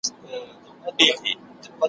چي نه خوب وي د جمال نه د جبین